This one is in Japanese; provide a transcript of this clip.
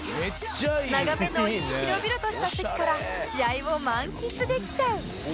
眺めのいい広々とした席から試合を満喫できちゃう